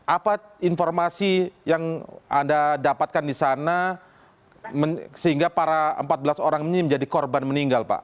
apa informasi yang anda dapatkan di sana sehingga para empat belas orang ini menjadi korban meninggal pak